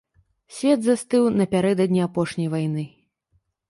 Свет застыў напярэдадні апошняй вайны.